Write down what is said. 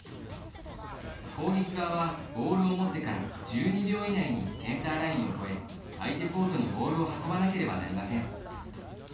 攻撃側はボールを持ってから１２秒以内にセンターラインを越え相手コートにボールを運ばなければなりません。